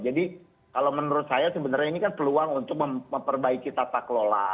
jadi kalau menurut saya sebenarnya ini kan peluang untuk memperbaiki tata kelola